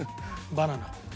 バナナ。